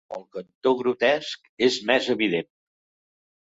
El cantó grotesc és més evident.